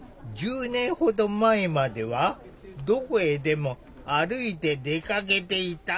１０年ほど前まではどこへでも歩いて出かけていた。